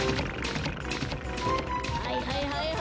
はいはいはいはい！